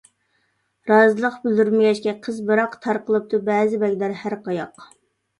رازىلىق بىلدۈرمىگەچكە قىز بىراق، تارقىلىپتۇ بەزى بەگلەر ھەر قاياق.